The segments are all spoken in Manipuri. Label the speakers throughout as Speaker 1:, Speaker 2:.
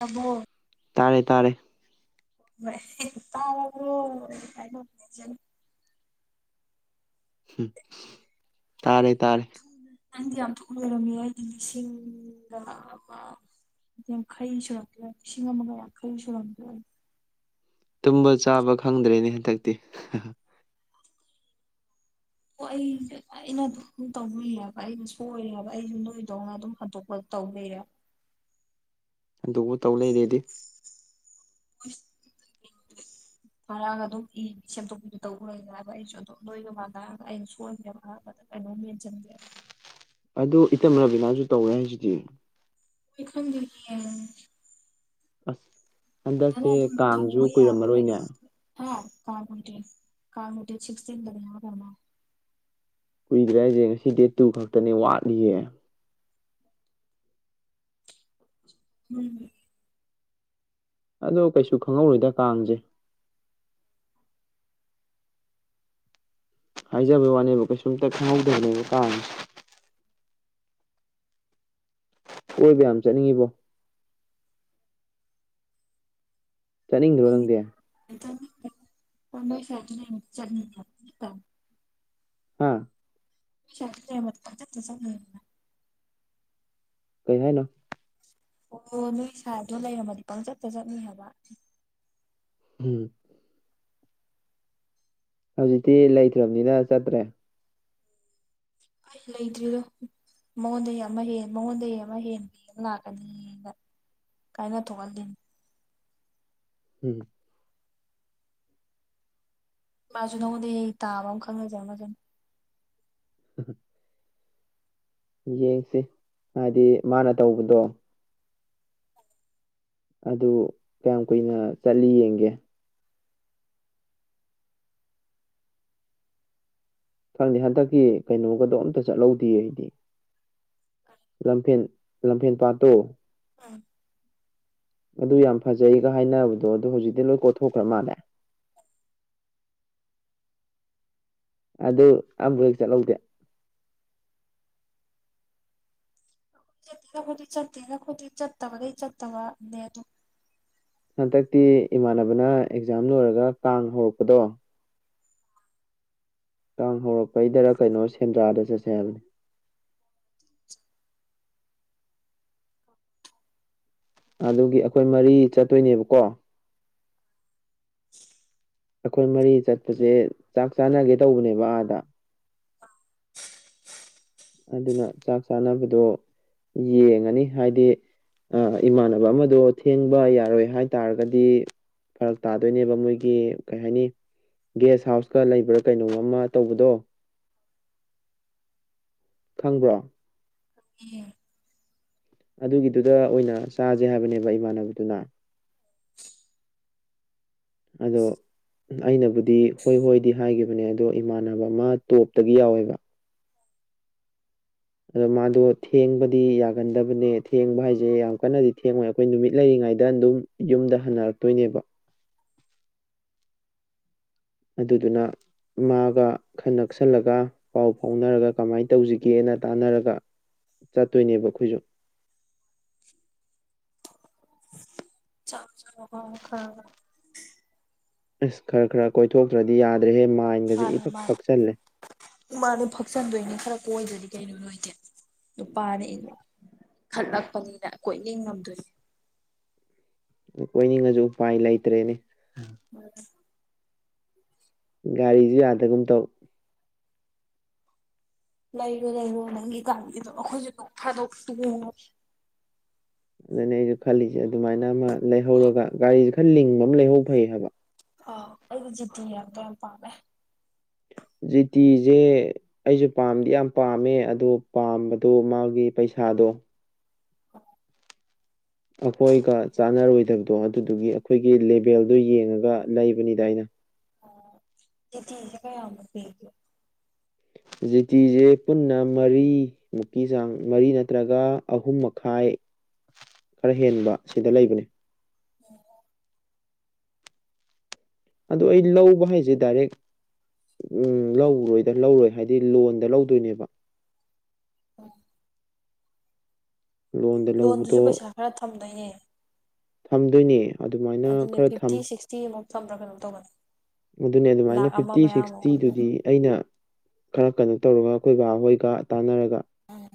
Speaker 1: ꯑꯕꯣ
Speaker 2: ꯇꯥꯔꯦ ꯇꯥꯔꯦ
Speaker 1: ꯇ ꯀꯅ
Speaker 2: ꯝ ꯇꯥꯔꯦ ꯇꯥꯔꯦ
Speaker 1: ꯅꯪꯗꯤ ꯌꯥꯝ ꯊ ꯂꯣꯏꯔꯝꯃꯤ ꯑꯩꯗꯤ ꯂꯤꯁꯤꯡꯗ ꯑ ꯈꯩ ꯁꯨꯔꯗ ꯁꯤꯁꯤꯡꯉ ꯃꯒꯥꯏ ꯈꯔꯤ ꯁꯨꯔꯗ ꯍꯥꯏ
Speaker 2: ꯇꯨꯝꯕ ꯆꯥꯕ ꯈꯪꯗ꯭ꯔꯦꯅꯦ ꯍꯟꯗꯛꯇꯤ
Speaker 1: ꯑꯣ ꯑꯩꯁ ꯑꯩꯅ ꯑꯗꯨꯝ ꯇꯧꯅꯤꯡꯑꯕ ꯑꯩꯅ ꯁꯔꯦꯕ ꯑꯩꯁꯨ ꯅꯣꯏꯗꯧꯅ ꯑꯗꯨꯝ ꯍꯟꯗꯣꯛꯄ ꯇꯧꯕꯤꯔꯦ
Speaker 2: [inaudible] ꯑꯗꯨꯕꯨ ꯇꯧ ꯂꯩꯔꯦꯗꯤ
Speaker 1: ꯎ
Speaker 2: [inaudible]
Speaker 1: ꯐꯔꯛꯑꯒ ꯑꯗꯨꯝ ꯏ ꯁꯦꯝꯗꯣꯛꯄꯤꯗꯨ ꯇꯧꯔꯦꯅ ꯍꯥꯏꯕ ꯑꯩꯁꯨ ꯑꯗꯨꯝ ꯅꯣꯏ ꯌ ꯃꯥꯟꯅ ꯍꯥꯏꯔꯒ ꯑꯩꯅ ꯁꯣꯏꯕꯅꯦꯕ ꯑꯔꯗ ꯑ ꯃ ꯆꯪꯗꯦ
Speaker 2: ꯑꯗꯨ ꯏꯇꯝ ꯔꯕꯤꯅꯥꯁꯨ ꯇꯧꯋꯦ ꯍꯥꯏꯁꯤꯗꯤ
Speaker 1: ꯑꯣꯈ
Speaker 2: ꯑꯁ ꯍꯟꯗꯛꯁꯦ ꯀꯥꯡꯁꯨ ꯀꯨꯏꯔꯝꯃꯔꯣꯏꯅꯦ
Speaker 1: ꯀꯥꯃꯇꯦ ꯀꯥꯃꯇꯦ ꯆ ꯌꯥꯅꯣ
Speaker 2: ꯀꯨꯏꯗ꯭ꯔꯦ ꯍꯥꯏꯁꯦ ꯉꯁꯤ ꯗꯦꯠ ꯇꯨ ꯈꯛꯇꯅꯦ ꯋꯥꯠꯂꯤꯌꯦꯦ
Speaker 1: ꯍꯝ
Speaker 2: ꯑꯗꯣ ꯀꯩꯁꯨ ꯈꯪꯍꯧꯔꯣꯏꯗ ꯀꯥꯡꯁꯦ ꯍꯥꯏꯖꯕꯩ ꯋꯥꯅꯦꯕ ꯀꯩꯁꯨꯝꯇ ꯈꯪꯍꯧꯗꯕꯅꯦꯕ ꯀꯥ ꯀꯣꯏꯕ ꯌꯥꯝ ꯆꯠꯅꯤꯡꯉꯤꯕꯣ ꯆꯅꯤ ꯂꯔꯗꯦ
Speaker 1: ꯄꯁ ꯆ
Speaker 2: ꯍꯥꯥ
Speaker 1: [unintelligible]
Speaker 2: ꯀꯩ ꯍꯥꯏꯅ
Speaker 1: ꯑꯣ ꯅꯣꯏ ꯏꯁꯥꯗꯣ ꯂꯩꯔꯝꯃꯗꯤ ꯄꯪꯆꯠꯇ ꯆꯠꯅꯤ ꯍꯥꯏꯕ
Speaker 2: ꯎꯝ ꯍꯧꯖꯤꯛꯇꯤ ꯂꯩꯇ꯭ꯔꯕꯅꯤꯅ ꯆꯠꯇ꯭ꯔꯦ
Speaker 1: ꯑꯩ ꯂꯩꯗ꯭ꯔꯤꯗꯣ ꯃꯉꯣꯟꯗꯩ ꯑꯃ ꯍꯦꯟ ꯃꯉꯣꯟꯗꯒꯤꯩ ꯑꯃ ꯍꯦꯟ ꯍꯟꯅ ꯂꯥꯛꯀꯅꯤꯅ ꯀꯥꯏꯅ ꯊꯣꯛꯍꯜꯂꯤꯅꯤ
Speaker 2: ꯎꯝ
Speaker 1: ꯃꯥꯁꯨ ꯅꯉꯣꯟꯗ ꯑꯩ ꯇꯥꯕ ꯑꯃ ꯈꯪꯅꯖꯦ ꯑꯗꯨ
Speaker 2: [unintelligible] ꯌꯦꯡꯁꯤ ꯍꯥꯏꯗꯤ ꯃꯥꯅ ꯇꯧꯕꯗꯣ ꯑꯗꯨ ꯀꯌꯥꯝ ꯀꯨꯏꯅ ꯆꯠꯂꯤ ꯌꯦꯡꯒꯦ ꯈꯪꯗꯦ ꯍꯟꯗꯛꯀꯤ ꯀꯩꯅꯣꯒꯗꯣ ꯑꯝꯇ ꯆꯠꯍꯧꯗꯦ ꯑꯩꯗꯤ ꯂꯝꯐꯦꯟ ꯂꯝꯐꯦꯟ ꯄꯥꯠꯇꯣ
Speaker 1: ꯑꯝ
Speaker 2: ꯑꯗꯨ ꯌꯥꯝ ꯐꯖꯩꯒ ꯍꯥꯏꯅꯕꯗꯣ ꯑꯗꯨꯣ ꯍꯧꯖꯤꯛꯇꯤ ꯂꯣꯏ ꯀꯣꯊꯣꯛꯈ꯭ꯔ ꯃꯥꯜꯂꯦ [unintelligible] ꯑꯗꯨ ꯑꯝꯕ ꯍꯦꯛ ꯆꯠꯍꯧꯗꯦ
Speaker 1: ꯣꯏ ꯆꯠꯠꯇꯦꯔꯈꯗꯤ ꯆꯠꯠꯇꯦꯅꯈꯣꯏꯗꯤ ꯆꯠꯇꯕ ꯂꯩꯩ ꯆꯠꯠꯇꯕ ꯑꯗꯨ
Speaker 2: ꯍꯟꯗꯛꯇꯤ ꯏꯃꯥꯟꯅꯕꯅ ꯑꯦꯛꯖꯥꯝ ꯂꯣꯏꯔꯒ ꯀꯥꯡ ꯍꯧꯔꯛꯄꯗꯣ ꯀꯥꯡ ꯍꯧꯔꯛꯄꯩꯗꯔ ꯀꯩꯅꯣ ꯁꯦꯟꯗ꯭ꯔꯥꯗ ꯆꯠꯁꯕꯅꯤ ꯎꯝ ꯑꯗꯨꯒꯤ ꯑꯩꯈꯣꯏ ꯃꯔꯤ ꯆꯠꯇꯣꯏꯅꯦꯕꯀꯣ ꯑꯩꯈꯣꯏ ꯃꯔꯤ ꯆꯠꯄꯁꯦ ꯆꯥꯛ ꯆꯥꯅꯒꯦ ꯇꯧꯕꯅꯦꯕ ꯑꯥꯗ ꯑꯗꯨꯅ ꯆꯥꯛ ꯆꯥꯅꯕꯗꯣ ꯌꯦꯡꯉꯅꯤ ꯍꯥꯏꯗꯤ ꯑ ꯏꯃꯥꯟꯅꯕ ꯑꯃꯗꯣ ꯊꯦꯡꯕ ꯌꯥꯔꯣꯏ ꯍꯥꯏ ꯇꯥꯔꯒꯗꯤ ꯐꯔꯛ ꯇꯥꯗꯣꯏꯅꯦꯕ ꯃꯣꯏꯒꯤ ꯀꯩ ꯍꯥꯏꯅꯤ ꯒꯦꯁ ꯍꯥꯎꯁꯀ ꯂꯩꯕ꯭ꯔꯥ ꯀꯩꯅꯣ ꯑꯃ ꯇꯧꯕꯗꯣ ꯈꯪꯕ꯭ꯔꯣ
Speaker 1: ꯑꯩ
Speaker 2: ꯑꯗꯨꯒꯤꯗꯨꯗ ꯑꯣꯏꯅ ꯆꯥꯁꯦ ꯍꯥꯏꯕꯅꯦꯕ ꯏꯃꯥꯟꯅꯕꯗꯨꯅ ꯑꯗꯣ ꯑꯩꯅꯕꯨꯗꯤ ꯍꯣꯏ ꯍꯣꯏꯗꯤ ꯍꯥꯏꯈꯤꯕꯅꯦ ꯑꯗꯣ ꯏꯃꯥꯟꯅꯕ ꯑꯃ ꯇꯣꯞꯇꯒꯤ ꯌꯥꯎꯋꯦꯕ ꯑꯗꯣ ꯃꯥꯗꯣ ꯊꯦꯡꯕꯗꯤ ꯌꯥꯒꯟꯗꯕꯅꯦ ꯊꯦꯡꯕ ꯍꯥꯏꯁꯦ ꯌꯥꯝ ꯀꯟꯅꯗꯤ ꯊꯦꯡꯉꯣꯏ ꯑꯩꯈꯣꯏ ꯅꯨꯃꯤꯠ ꯂꯩꯔꯤ ꯌꯨꯝ ꯍꯔꯛꯇꯣꯏꯅꯦꯕ ꯑꯗꯨꯗꯨꯅ ꯃꯥꯒ ꯈꯟꯅ ꯅꯛꯁꯜꯂꯒ ꯄꯥꯎ ꯐꯥꯎꯅꯔꯒ ꯀꯃꯥꯏꯅ ꯇꯧꯁꯤꯒꯦꯅ ꯇꯥꯟꯅꯔꯒ ꯆꯠꯇꯣꯏꯅꯦꯕ ꯑꯩꯈꯣꯏꯁꯨ
Speaker 1: ꯆ ꯆ ꯍ ꯈꯔ
Speaker 2: ꯑꯁ ꯈꯔ ꯈꯔ ꯀꯣꯏꯊꯣꯛꯇ꯭ꯔꯗꯤ ꯌꯥꯗ꯭ꯔꯦ
Speaker 1: ꯃꯥꯅꯦ ꯃꯥꯅꯤ ꯏ ꯃꯥꯅꯦ ꯐꯛꯆꯟꯗꯣꯏꯅꯤ ꯈꯔ ꯀꯣꯏꯗ꯭ꯔꯗꯤ ꯀꯩꯅꯣ ꯅꯣꯏꯗꯦ ꯅꯨꯄꯥꯅꯦꯩꯅ ꯈꯠꯂꯛꯄꯅꯤꯅ ꯀꯣꯏꯅ ꯉꯝꯗꯣꯏꯅꯦ
Speaker 2: ꯑꯣꯏꯣꯏꯅꯤꯡꯉꯁꯨ ꯎꯄꯥꯏ ꯂꯩꯇ꯭ꯔꯦꯅꯦ
Speaker 1: ꯎꯝ
Speaker 2: ꯒꯥꯔꯤꯁꯨ ꯌꯥꯗꯒꯨꯝ ꯇꯧ
Speaker 1: ꯂꯩꯔꯣ ꯂꯩꯔꯣ ꯅꯪꯒꯤ ꯀꯥꯟꯒꯤꯗꯣ ꯑꯩꯈꯣꯏꯁꯨꯣꯛ ꯊꯥꯗꯣꯛꯉꯣ
Speaker 2: ꯑꯗꯨꯅ ꯑꯩꯁꯨ ꯈꯜꯂꯤꯁꯦ ꯑꯗꯨꯃꯥꯏꯅ ꯑꯃ ꯂꯩꯍꯧꯔꯒ ꯒꯥꯔꯤꯁꯦ ꯈꯔ ꯂꯤꯡꯕ ꯑꯃ ꯂꯩꯍꯧ ꯐꯩ ꯍꯥꯏꯕ
Speaker 1: ꯑ ꯑꯩꯗꯤ ꯖꯤꯇꯤ ꯌꯥꯝ ꯀ ꯌꯥꯝ ꯄꯥꯝꯃꯦ
Speaker 2: ꯖꯤꯇꯤꯁꯦ ꯑꯩꯁꯨ ꯄꯥꯝꯗꯤ ꯌꯥꯝ ꯄꯥꯝꯃꯦ ꯑꯗꯨꯣ ꯄꯥꯝꯕꯗꯣ ꯃꯥꯒꯤ ꯄꯩꯁꯥ ꯁꯥꯥꯗꯣ ꯑꯩꯈꯣꯏꯒ ꯆꯥꯟꯅꯔꯣꯏꯗꯕꯗꯣ ꯑꯗꯨꯗꯨꯒꯤ ꯑꯩꯈꯣꯏꯒꯤ ꯂꯦꯚꯦꯜꯗꯨꯣ ꯌꯦꯡꯉꯒ ꯂꯩꯕꯅꯤꯗ ꯑꯩꯅ
Speaker 1: ꯊꯤꯁꯦ ꯀ ꯌꯥꯝ ꯄꯒ
Speaker 2: ꯖꯤꯇꯤꯁꯦ ꯄꯨꯟꯅ ꯃꯔꯤꯃꯨꯛꯀꯤ ꯆꯥꯡ ꯃꯔꯤ ꯅꯠꯇ꯭ꯔꯒ ꯑꯍꯨꯝ ꯃꯈꯥꯏ ꯈꯔ ꯍꯦꯟꯕ ꯁꯤꯗ ꯂꯩꯕꯅꯦ
Speaker 1: ꯑꯣ
Speaker 2: ꯑꯣ ꯑꯩ ꯂꯧꯕ ꯍꯥꯏꯁꯦ ꯗꯥꯏꯔꯦꯛ ꯎꯝ ꯂꯧꯔꯣꯏꯗ ꯂꯧꯔꯣꯏ ꯍꯥꯏꯕꯗꯤ ꯂꯣꯟꯗ ꯂꯧꯗꯣꯏꯅꯦꯕ
Speaker 1: ꯎꯝ
Speaker 2: ꯂꯣꯟꯗ
Speaker 1: ꯂꯣꯟꯗꯨꯁꯨ
Speaker 2: ꯂꯧꯕꯗꯣ
Speaker 1: ꯄꯩꯁꯥ ꯈꯔ ꯊꯝꯗꯣꯏꯅꯦ
Speaker 2: ꯊꯝꯗꯣꯏꯅꯦ ꯑꯗꯨꯃꯥꯏꯅ ꯈꯔ ꯊꯝ
Speaker 1: ꯁꯝꯄ꯭ꯔꯒꯅꯧ ꯇꯧꯕꯅꯤ
Speaker 2: ꯑꯗꯨꯅꯦ ꯑꯗꯨꯃꯥꯏꯅ ꯐꯤꯞꯇꯤ
Speaker 1: ꯑꯗꯨ
Speaker 2: ꯁꯤꯛꯁꯇꯤꯗꯨꯗꯤ ꯑꯩꯅ ꯈꯔ ꯀꯩꯅꯣ ꯇꯧꯔꯒ ꯑꯩꯈꯣꯏ ꯕꯥꯍꯣꯏꯒ ꯇꯥꯟꯅꯔꯒ
Speaker 1: ꯎꯝ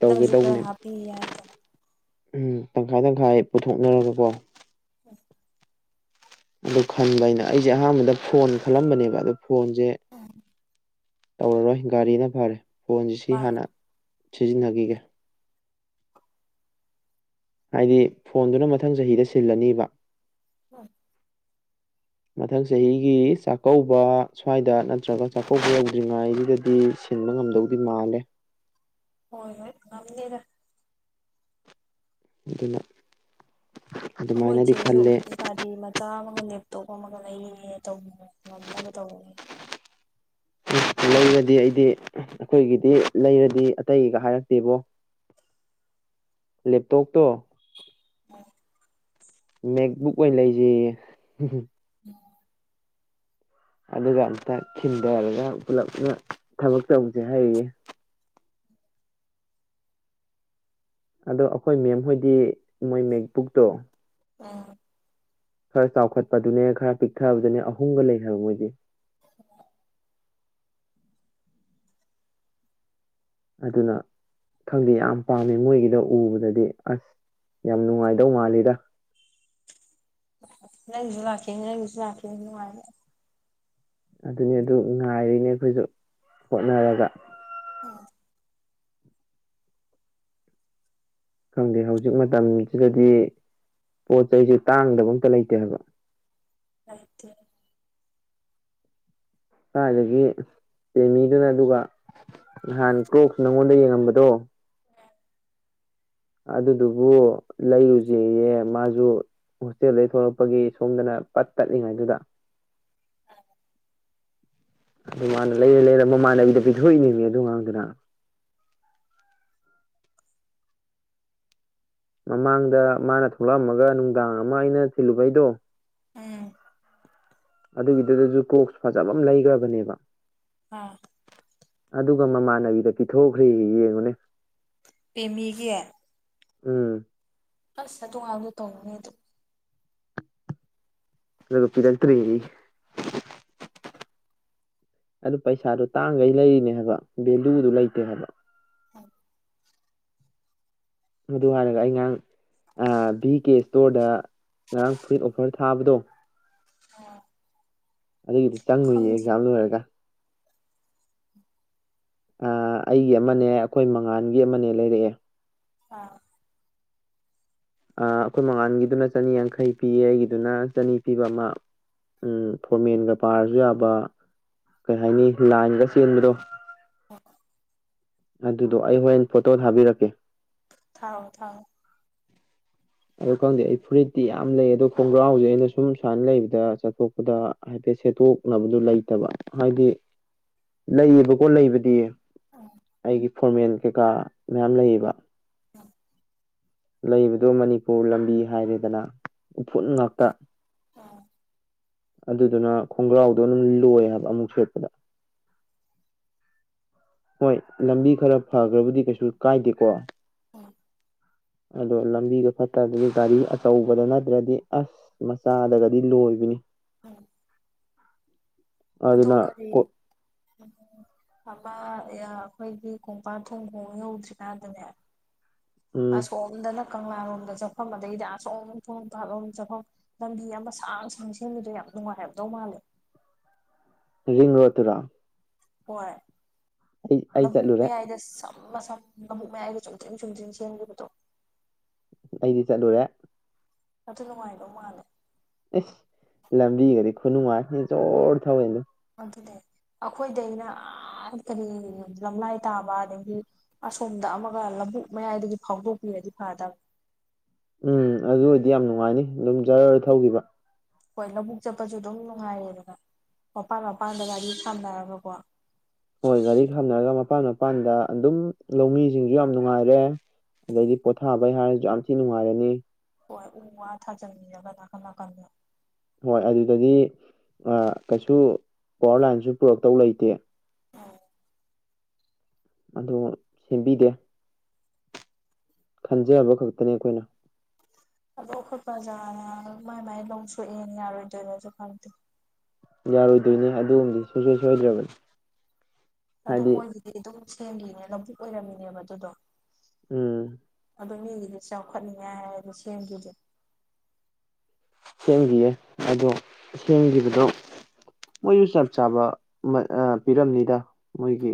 Speaker 2: ꯇꯧꯒꯦ
Speaker 1: ꯅꯪꯁꯨ ꯈꯔ
Speaker 2: ꯇꯧꯕꯅꯦꯕ
Speaker 1: ꯍꯥꯞꯄꯤ ꯍꯥꯏꯗꯅ
Speaker 2: ꯎꯝ ꯇꯪꯈꯥꯏ ꯇꯪꯈꯥꯏ ꯄꯨꯊꯣꯛꯅꯔꯒꯀꯣ ꯑꯗꯨ ꯈꯟꯕ ꯍꯥꯏꯩꯅ ꯑꯩꯁꯦ ꯑꯍꯥꯟꯕꯗ ꯐꯣꯟ ꯈꯜꯂꯝꯕꯅꯦꯕ ꯑꯗꯣ ꯐꯣꯟꯁꯦ ꯇꯧꯔꯔꯣꯏ ꯒꯥꯔꯤꯅ ꯐꯔꯦ ꯐꯣꯟꯁꯤ ꯁꯤ
Speaker 1: ꯃꯥꯅꯦ
Speaker 2: ꯍꯥꯟꯅ ꯁꯤꯖꯤꯟꯅꯈꯤꯒꯦ ꯍꯥꯏꯗꯤ ꯐꯣꯟꯗꯨꯅ ꯃꯊꯪ ꯆꯍꯤꯗ ꯁꯤꯜꯂꯅꯤꯕ
Speaker 1: ꯍ
Speaker 2: [inaudible] ꯃꯊꯪ ꯆꯍꯤꯒꯤ ꯆꯥꯛꯀꯧꯕ ꯁ꯭ꯋꯥꯏꯗ ꯅꯠꯇ꯭ꯔꯒ ꯆꯥꯛꯀꯧꯕ ꯌꯧꯗ꯭ꯔꯤꯉꯩꯁꯤꯗꯗꯤ ꯊꯤꯡꯕ ꯉꯝꯗꯧꯗꯤ ꯃꯥꯜꯂꯦ
Speaker 1: ꯍꯣꯏ ꯍꯣꯏ ꯉꯝꯅꯤꯗ
Speaker 2: ꯑꯗꯨꯅ
Speaker 1: ꯍꯣꯏ
Speaker 2: ꯑꯗꯨꯃꯥꯏꯅꯗꯤ
Speaker 1: ꯆꯁꯨ
Speaker 2: ꯈꯜꯂꯦ
Speaker 1: ꯒꯥꯔꯤ ꯃ ꯆꯥ ꯑꯃꯒ ꯂꯦꯞꯇꯣꯞ ꯑꯃꯒ ꯂꯩꯌꯦ ꯇꯧꯕ ꯉꯝꯅꯕ ꯇꯧꯕꯅꯦ
Speaker 2: ꯎ ꯂꯩꯔꯗꯤ ꯑꯩꯗꯤ ꯑꯩꯈꯣꯏꯒꯤꯗꯤ ꯂꯩꯔꯗꯤ ꯑꯇꯩꯒ ꯍꯥꯏꯔꯛꯇꯦꯕꯣ ꯂꯦꯞꯇꯣꯞꯇꯣ
Speaker 1: ꯎꯝ
Speaker 2: ꯃꯦꯛ ꯕꯨꯛ ꯑꯣꯏꯅ ꯂꯩꯁꯤ
Speaker 1: [unintelligible]
Speaker 2: ꯑꯗꯨꯒ ꯑꯃꯝꯇ ꯤꯟꯊꯔꯒ ꯄꯨꯂꯞ ꯊꯕꯛ ꯇꯧꯕꯁꯦ ꯍꯥꯏꯌꯦ ꯑꯗꯣ ꯑꯩꯈꯣꯏ ꯃꯦꯝꯍꯣꯏꯗꯤ ꯃꯣꯏ ꯃꯦꯛ ꯕꯨꯛꯇꯣ
Speaker 1: ꯑꯥ
Speaker 2: ꯈꯔ ꯆꯥꯎꯈꯠꯄꯗꯨꯅꯦ ꯈꯔ ꯄꯤꯛꯊꯕꯗꯨꯅꯦ ꯑꯍꯨꯝꯒ ꯂꯩ ꯍꯥꯏꯕ ꯃꯣꯏꯗꯤꯦ ꯑꯗꯨꯅ ꯈꯪꯗꯦ ꯌꯥꯝ ꯄꯥꯝꯃꯦ ꯃꯣꯏꯒꯤꯗ ꯎꯕꯗꯗꯤ ꯑꯁ ꯌꯥꯝ ꯅꯨꯡꯉꯥꯏꯗꯧ ꯃꯥꯜꯂꯤꯗ
Speaker 1: ꯅꯪꯁꯨ ꯂꯥꯛꯦ ꯅꯪꯁꯨ ꯂꯦꯅꯨꯡꯉꯥꯏ
Speaker 2: ꯑꯗꯨꯅꯤ ꯑꯗꯨ ꯉꯥꯏꯔꯤꯅꯦ ꯑꯩꯈꯣꯏꯁꯨ ꯍꯣꯠꯅꯔꯒ
Speaker 1: ꯍ
Speaker 2: ꯈꯪꯗꯦ ꯍꯧꯖꯤꯛ ꯃꯇꯝꯁꯤꯗꯗꯤ ꯄꯣꯠ ꯆꯩꯩꯁ ꯇꯥꯡꯗꯕ ꯑꯝꯇ ꯂꯩꯇꯦ ꯍꯥꯏꯕ
Speaker 1: ꯍꯥꯏꯗꯤ
Speaker 2: ꯁꯥꯏꯗꯒꯤ ꯆꯦꯃꯤꯗꯨꯅ ꯑꯗꯨꯒ ꯅꯍꯥꯟ ꯀ꯭ꯔꯣꯛꯁ ꯅꯪꯉꯣꯟꯗ ꯌꯦꯡꯉꯝꯕꯗꯣ ꯑꯗꯨꯗꯨꯕꯨ ꯂꯩꯔꯨꯁꯦꯌꯦ ꯃꯥꯁꯨ ꯍꯣꯁꯇꯦꯜꯗꯒꯤꯩ ꯊꯣꯛꯂꯛꯄꯒꯤ ꯁꯣꯝꯗꯅ ꯄꯠ ꯇꯠꯂꯤꯉꯩꯗꯨꯗ ꯑꯗꯨ ꯃꯥꯅ ꯂꯩꯔ ꯂꯩꯔ ꯃꯃꯥꯟꯅꯕꯤꯗ ꯄꯤꯊꯣꯛꯏꯅꯦꯅꯦ ꯑꯗꯨ ꯉꯥꯡꯗꯅ ꯃꯃꯥꯡꯗ ꯃꯥꯅ ꯊꯣꯛꯂꯛꯑꯝꯃꯒ ꯅꯨꯡꯗꯥꯡ ꯑꯃ ꯑꯩꯅ ꯊꯤꯜꯂꯨꯕꯩꯗꯣ
Speaker 1: ꯎꯝ
Speaker 2: ꯑꯗꯨꯒꯤꯗꯨꯗꯁꯨ ꯀꯣꯛꯁ ꯐꯖꯕ ꯑꯃ ꯂꯩꯈ꯭ꯔꯕꯅꯦꯕ
Speaker 1: ꯑꯥ
Speaker 2: ꯑꯗꯨꯒ ꯃꯃꯥꯟꯅꯕꯤꯗ ꯄꯤꯊꯣꯛꯈ꯭ꯔꯦ ꯌꯦꯡꯉꯨꯅꯦ
Speaker 1: ꯄꯤꯃꯤꯒꯤ
Speaker 2: ꯎꯝ
Speaker 1: ꯑꯁ ꯇꯣꯡꯉꯥꯏꯕꯗꯣ ꯇꯧꯕꯅꯦ ꯑꯗꯨ
Speaker 2: ꯑꯗꯨꯒꯣꯄꯤꯤꯗꯇꯔꯤ ꯑꯗꯨ ꯄꯩꯁꯥꯗꯨꯣ ꯇꯥꯡꯈꯩ ꯂꯩꯔꯤꯅꯦ ꯍꯥꯏꯕ ꯚꯦꯂꯨꯗꯨ ꯂꯩꯇꯦ ꯍꯥꯏꯕ ꯃꯗꯨ ꯍꯥꯏꯔꯒ ꯑꯩꯉꯥꯡ ꯚꯤ ꯀꯦ ꯏꯁꯇꯣꯔꯗ ꯉꯔꯥꯡ ꯐꯨꯔꯤꯠ ꯑꯣꯐꯔ ꯊꯥꯕꯗꯣ ꯑꯗꯨꯒꯤꯗꯤ ꯆꯪꯉꯨꯌꯦ
Speaker 1: ꯈꯪꯗꯦ
Speaker 2: ꯑꯦꯛꯖꯥꯝ ꯂꯣꯏꯔꯒ ꯑꯩꯒꯤ ꯑꯃꯅꯦ ꯑꯩꯈꯣꯏ ꯃꯉꯥꯜꯒꯤ ꯑꯃꯅꯦ ꯂꯩꯔꯛꯑꯦ
Speaker 1: ꯑꯥ
Speaker 2: ꯑꯩꯈꯣꯏ ꯃꯉꯥꯜꯒꯤꯗꯨꯅ ꯆꯅꯤꯌꯥꯡꯈꯩ ꯄꯤꯌꯦ ꯑꯩꯒꯤꯗꯨꯅ ꯆꯅꯤ ꯄꯤꯕ ꯑꯃ ꯎꯝ ꯐꯣꯔꯃꯦꯟꯒ ꯄꯥꯔꯁꯨ ꯌꯥꯕ ꯀꯩ ꯍꯥꯏꯅꯤ ꯂꯥꯏꯟꯒ ꯆꯦꯟꯕꯗꯣ
Speaker 1: ꯑꯣ
Speaker 2: ꯑꯗꯨꯗꯣ ꯑꯩ ꯍꯣꯔꯦꯟ ꯐꯣꯇꯣ ꯊꯥꯕꯤꯔꯛꯀꯦ
Speaker 1: ꯊꯥꯎꯣ ꯊꯥꯎꯣ
Speaker 2: ꯑꯗꯨ ꯈꯪꯗꯦ ꯑꯩ ꯐꯨꯔꯤꯠꯇꯤ ꯌꯥꯝ ꯂꯩ ꯑꯗꯣ ꯈꯣꯡꯒ꯭ꯔꯥꯎꯥꯎꯁꯦ ꯑꯩꯅ ꯁꯨꯝ ꯁꯨꯃꯥꯏꯅ ꯂꯩꯕꯗ ꯆꯠꯊꯣꯛꯄꯗ ꯍꯥꯏꯐꯦ ꯁꯦꯠꯇꯣꯛꯅꯕꯗꯨ ꯂꯩꯇꯕ ꯍꯥꯏꯗꯤ ꯂꯩꯌꯦꯕꯀꯣ ꯂꯩꯕꯗꯤ
Speaker 1: ꯎꯝ
Speaker 2: ꯑꯩꯒꯤ ꯐꯣꯔꯃꯦꯜ ꯀꯩꯀꯥ ꯃꯌꯥꯝ ꯂꯩꯌꯦꯕ ꯂꯩꯕꯗꯨ ꯃꯅꯤꯄꯨꯔ ꯂꯝꯕꯤ ꯍꯥꯏꯔꯦꯗꯅ ꯎꯐꯨꯠ ꯉꯥꯛꯇ
Speaker 1: ꯍꯣꯏ ꯎꯝ
Speaker 2: ꯑꯗꯨꯗꯨꯅ ꯈꯣꯡꯒ꯭ꯔꯥꯎꯗꯣ ꯑꯗꯨꯝ ꯂꯣꯏ ꯍꯥꯏꯕ ꯑꯃꯨꯛ ꯁꯦꯠꯄꯗ ꯍꯣꯏ ꯂꯝꯕꯤ ꯈꯔ ꯐꯈ꯭ꯔꯕꯗꯤ ꯀꯩꯁꯨ ꯀꯥꯏꯗꯦꯀꯣ
Speaker 1: ꯎꯝ
Speaker 2: ꯑꯗꯣ ꯂꯝꯕꯤꯗꯣ ꯐꯠꯇ꯭ꯔꯗꯤ ꯒꯥꯔꯤ ꯑꯆꯧꯕꯗ ꯅꯠꯇ꯭ꯔꯗꯤ ꯑꯁ ꯃꯆꯥꯗꯒꯗꯤ ꯂꯣꯏꯕꯅꯤ
Speaker 1: ꯎꯝ
Speaker 2: ꯑ
Speaker 1: ꯑꯗꯣ ꯀꯔꯤ ꯑꯃ ꯑꯩꯈꯣꯏꯒꯤ ꯀꯣꯡꯄꯥ ꯊꯣꯡ ꯈꯣꯡ ꯌꯧꯗ꯭ꯔꯤꯀꯥꯟꯗꯅꯦ ꯑ
Speaker 2: ꯎꯝ
Speaker 1: ꯁꯣꯝꯗꯅ ꯀꯪꯂꯥꯔꯣꯝꯗ ꯆꯠꯐꯝ ꯑꯗꯩꯗꯤ ꯑꯁꯣꯡꯝꯊꯣꯡ ꯂꯝ ꯄꯥꯂꯣꯝꯗ ꯆꯠꯐꯝ ꯂꯝꯕꯤ ꯑꯃ ꯁꯥꯡ ꯁꯥꯡ ꯁꯦꯝꯕꯤꯗꯣ ꯌꯥꯝ ꯅꯨꯡ ꯍꯥꯏꯦꯕꯗꯣ ꯃꯥꯜꯦ
Speaker 2: [unintelligible] ꯔꯔꯤꯡ ꯔꯇ ꯔꯥ
Speaker 1: ꯍꯣꯏ ꯂꯕꯨꯨ
Speaker 2: ꯆꯠꯂꯨꯔꯦ
Speaker 1: ꯃꯌꯥꯏꯗ ꯁꯅ ꯁ ꯃꯕꯨꯛ ꯃꯌꯥꯏꯒ ꯆꯨꯝꯗ꯭ꯔꯤꯡ ꯆꯨꯝꯗ꯭ꯔꯤꯡ ꯁꯦꯝꯈꯤꯕꯗꯣ
Speaker 2: ꯑꯩꯗꯤ ꯆꯠꯂꯨꯔꯦ
Speaker 1: ꯑꯗꯨ ꯅꯨꯡꯉꯥꯏꯅꯣ ꯃꯥꯜꯂꯦ
Speaker 2: ꯏꯁꯁ ꯂꯝꯕꯤꯒꯗꯤ ꯈꯨꯅꯨꯡ ꯉꯥꯛꯅꯤ ꯖꯣꯔ ꯊꯋꯦꯗꯣ
Speaker 1: ꯦ ꯑꯩꯈꯣꯏꯗ ꯑꯩꯅ ꯀꯔꯤ ꯂꯝꯂꯥꯏ ꯇꯥꯕ ꯑꯗꯒꯤ ꯑꯁꯣꯝꯗ ꯑꯃꯒ ꯛ ꯃꯌꯥꯏꯗꯒꯤ ꯐꯥꯎꯗꯣꯛꯄꯤꯔꯗꯤ ꯐꯥꯗ
Speaker 2: ꯎꯝ ꯑꯗꯨ ꯑꯣꯏꯗꯤ ꯌꯥꯝ ꯅꯨꯡꯉꯥꯏꯅꯤ ꯑꯗꯨꯝ ꯖꯔ ꯊꯧꯈꯤꯕ
Speaker 1: ꯍꯣꯏ ꯂꯧꯕꯨꯛ ꯆꯠꯄꯁꯨ ꯑꯗꯨꯝ ꯅꯨꯡꯉꯥꯏꯌꯦꯦꯗꯅ ꯃꯄꯥꯟ ꯃꯄꯥꯟꯗ ꯒꯥꯔꯤ ꯊꯝꯅꯔꯒꯀꯣ
Speaker 2: ꯍꯣꯏ ꯒꯥꯔꯤ ꯈꯥꯝꯅꯔꯒ ꯃꯄꯥꯟ ꯃꯄꯥꯟꯗ ꯑꯗꯨꯝ ꯂꯧꯃꯤꯁꯤꯡꯁꯨ ꯌꯥꯝ ꯅꯨꯡꯉꯥꯏꯔꯦ ꯑꯗꯩꯗꯤ ꯄꯣꯊꯥꯕꯩ ꯍꯥꯏꯔꯁꯨ ꯌꯥꯝ ꯊꯤꯅ ꯅꯨꯡꯉꯥꯏꯔꯅꯤ
Speaker 1: ꯍꯣꯏ ꯎ ꯋꯥ ꯊꯥꯖꯟꯃꯤꯔꯒ ꯅꯥꯀꯟ ꯅꯥꯀꯟꯗ
Speaker 2: ꯍꯣꯏ ꯑꯗꯨꯗꯗꯤ ꯀꯩꯁꯨ ꯄꯋꯥꯔ ꯂꯥꯏꯟꯁꯨ ꯄꯨꯔꯛꯇꯧ ꯂꯩꯇꯦ ꯑꯗꯨ ꯁꯦꯝꯕꯤꯗꯦ ꯈꯟꯖꯕ ꯈꯛꯇꯅꯤ ꯑꯩꯈꯣꯏꯅ
Speaker 1: ꯑꯗꯣ ꯑꯩꯈꯣꯏ ꯕ꯭ꯔꯖꯥꯅ ꯃꯥꯏ ꯃꯥꯏ ꯂꯧ ꯁꯣꯛꯑꯦꯅ ꯌꯥꯔꯣꯏꯗꯣꯏꯅꯁꯨ ꯈꯪꯗꯦ
Speaker 2: ꯌꯥꯔꯣꯏꯗꯣꯏꯅꯦ ꯑꯗꯨꯒꯨꯝꯕꯗꯤ ꯁꯨꯡꯁꯣꯏ ꯁꯣꯏꯗ꯭ꯔꯕꯅꯤ
Speaker 1: ꯑꯗꯣ
Speaker 2: ꯍꯥꯏꯗꯤ
Speaker 1: ꯃꯣꯏꯒꯤꯗꯤ ꯑꯗꯨꯝ ꯁꯦꯝꯈꯤꯅꯦ ꯂꯕꯨꯨꯛ ꯑꯣꯏꯔꯝꯃꯤꯅꯦꯕ ꯑꯗꯨꯗꯣ
Speaker 2: ꯎꯝ
Speaker 1: ꯑꯗꯨ ꯃꯤꯒꯤꯗꯤ ꯆꯥꯎꯈꯠꯅꯤꯡꯉꯥꯏ ꯍꯥꯏꯔꯗꯤ ꯁꯦꯝꯈꯤꯗꯦ
Speaker 2: ꯁꯦꯝꯈꯤꯌꯦ ꯑꯗꯣ ꯁꯦꯝꯈꯤꯕꯗꯣ ꯃꯣꯏꯁꯨ ꯆꯞ ꯆꯥꯕ ꯃꯠ ꯑ ꯄꯤꯔꯝꯅꯤꯗ ꯃꯣꯏꯒꯤ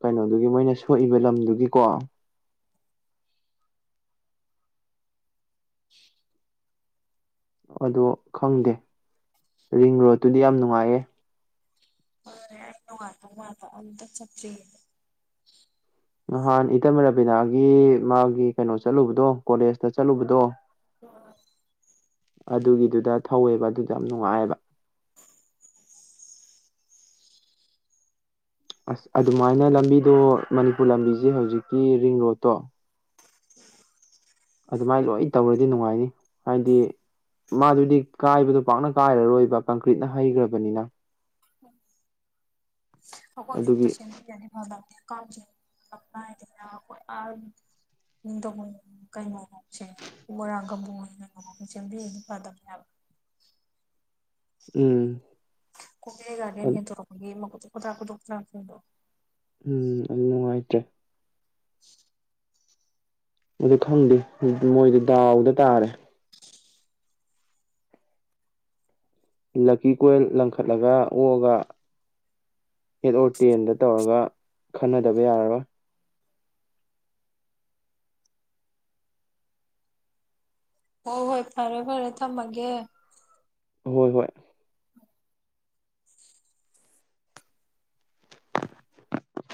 Speaker 2: ꯀꯩꯅꯣꯗꯨꯒꯤ ꯃꯣꯏꯅ ꯁꯣꯛꯏꯕ ꯂꯝꯗꯨꯒꯤꯀꯣ ꯑꯗꯣ ꯈꯪꯗꯦ ꯔꯤꯡ ꯔꯣꯠꯇꯨꯗꯤ ꯌꯥꯝ ꯅꯨꯡꯉꯥꯏꯌꯦ
Speaker 1: ꯋꯥ ꯃꯥꯇ ꯑ ꯆꯞꯦ
Speaker 2: ꯅꯍꯥꯟ ꯏꯇꯝ ꯔꯥꯕꯤꯅꯥꯒꯤ ꯃꯥꯒꯤ ꯀꯩꯅꯣ ꯆꯠꯂꯨꯕꯗꯣ ꯀꯣꯂꯦꯖꯇ ꯆꯠꯂꯨꯕꯗꯣ
Speaker 1: ꯑꯣ
Speaker 2: ꯑꯗꯨꯒꯤꯗꯨꯗ ꯊꯧꯋꯦꯕ ꯑꯗꯨꯗ ꯌꯥꯝ ꯅꯨꯡꯉꯥꯏꯑꯕ ꯑꯁ ꯑꯗꯨꯃꯥꯏꯅ ꯂꯝꯕꯤꯗꯣ ꯃꯅꯤꯄꯨꯔ ꯂꯝꯕꯤꯁꯦ ꯍꯧꯖꯤꯛꯀꯤ ꯔꯤꯡ ꯔꯣꯠꯇꯣ ꯑꯗꯨꯃꯥꯏꯅ ꯂꯣꯏ ꯇꯧꯔꯗꯤ ꯅꯨꯡꯉꯥꯏꯅꯤ ꯍꯥꯏꯗꯤ ꯃꯥꯗꯨꯗꯤ ꯀꯥꯏꯕꯗꯣ ꯄꯥꯛꯅ ꯀꯥꯏꯔꯔꯣꯏꯕ ꯀꯪꯀ꯭ꯔꯤꯠꯅ ꯍꯩꯈ꯭ꯔꯕꯅꯤꯅ [inaudible]
Speaker 1: ꯍꯣꯏ ꯆꯨꯞꯛꯇ
Speaker 2: ꯑꯗꯨꯒꯤ
Speaker 1: ꯁꯦꯝꯃꯤꯅꯗꯤ ꯐꯗꯧꯅꯤ ꯅꯤꯡꯊꯧꯀꯣꯡ ꯀꯩꯅꯣꯁꯦ ꯋꯥꯔꯥꯡꯒꯝꯕꯨꯨꯡ ꯉ ꯁꯦꯝꯕꯤꯅ ꯐꯗꯝꯕꯅꯦꯕ
Speaker 2: [inaudible] ꯎꯝ
Speaker 1: ꯀꯨꯝꯕꯤꯔꯩ ꯒꯥꯔꯗꯦꯟ ꯍꯦꯛ
Speaker 2: ꯑ-
Speaker 1: ꯊꯣꯛꯂꯛꯄꯒꯤ ꯃ [unintelligible]
Speaker 2: ꯎꯝ ꯑꯅꯨꯡꯥꯏꯇꯦ
Speaker 1: [unintelligible]
Speaker 2: ꯑꯗꯨ ꯈꯪꯗꯦ ꯃꯣꯏꯗꯤ ꯗꯥꯎꯗ ꯇꯥꯔꯦ ꯂꯛꯀꯤ ꯀꯣꯏꯜ ꯂꯪꯈꯠꯂꯒ ꯑꯣꯛꯑꯒ ꯍꯦꯠ ꯑꯣꯔ ꯇꯦꯟꯗ ꯇꯧꯔꯒ ꯈꯟꯅꯗꯕ ꯌꯥꯔꯔꯣꯏ
Speaker 1: ꯍꯣ ꯍꯣꯏ ꯐꯔꯦ ꯐꯔꯦ ꯊꯝꯃꯒꯦ
Speaker 2: ꯍꯣꯏ ꯍꯣꯏ